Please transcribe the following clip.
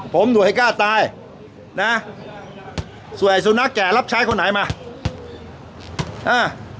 ผมหนูให้กล้าตายนะสวยสุนัขแกรับใช้คนไหนมาอ่า